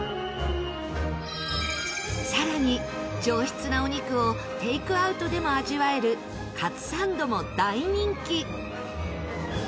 更に上質なお肉をテイクアウトでも味わえるカツサンドも大人気。